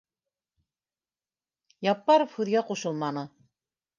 Яппаров һүҙгә ҡушылманы